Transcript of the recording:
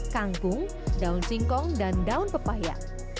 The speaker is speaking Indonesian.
kangkung daun singkong dan daun pepahyang